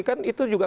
kan itu juga